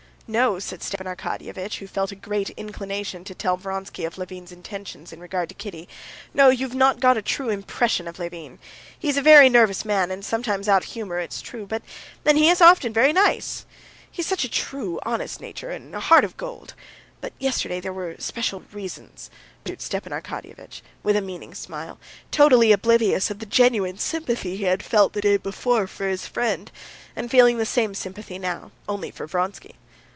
"No," said Stepan Arkadyevitch, who felt a great inclination to tell Vronsky of Levin's intentions in regard to Kitty. "No, you've not got a true impression of Levin. He's a very nervous man, and is sometimes out of humor, it's true, but then he is often very nice. He's such a true, honest nature, and a heart of gold. But yesterday there were special reasons," pursued Stepan Arkadyevitch, with a meaning smile, totally oblivious of the genuine sympathy he had felt the day before for his friend, and feeling the same sympathy now, only for Vronsky.